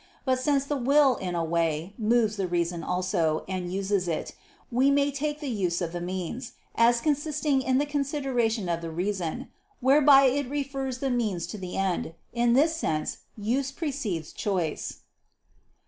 But since the will, in a way, moves the reason also, and uses it, we may take the use of the means, as consisting in the consideration of the reason, whereby it refers the means to the end. In this sense use precedes choice.